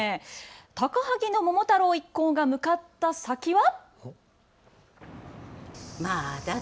高萩の桃太郎一行が向かった先は。